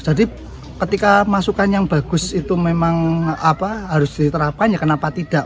jadi ketika masukan yang bagus itu memang apa harus diterapkan ya kenapa tidak